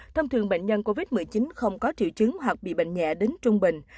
thông thường bệnh nhân covid một mươi chín không có triệu chứng hoặc bị bệnh nhẹ đến trung bình